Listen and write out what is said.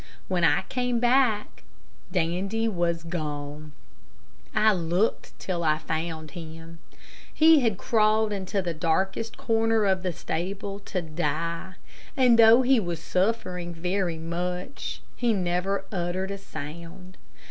When I came back, Dandy was gone. I looked till I found him. He had crawled into the darkest corner of the stable to die, and though he was suffering very much, he never uttered a sound.